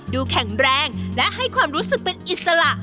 แข็งแรงและให้ความรู้สึกเป็นอิสระ